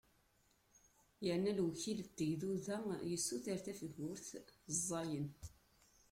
Yerna lewkil n tegduda yessuter tafgurt ẓẓayen.